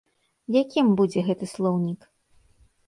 Якім будзе гэты слоўнік?